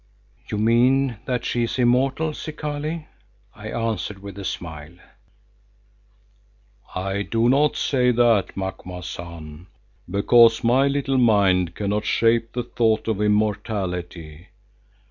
"You mean that she is immortal, Zikali," I answered with a smile. "I do not say that, Macumazahn, because my little mind cannot shape the thought of immortality.